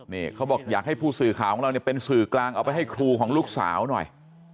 นี่เขาบอกอยากให้ผู้สื่อข่าวของเราเนี่ยเป็นสื่อกลางเอาไปให้ครูของลูกสาวหน่อย